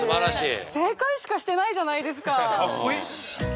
正解しかしてないじゃないですか。